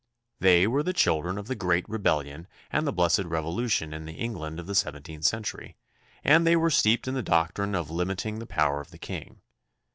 They were the children of the "Great Re bellion" and the "Blessed Revolution" in the England of the seventeenth centurv nd they were steeped in the doctrine of lii^* '^g, tne power of the king.